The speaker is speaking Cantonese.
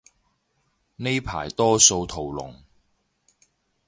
呢排多數屠龍